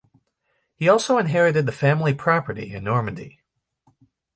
He also inherited the family property in Normandy.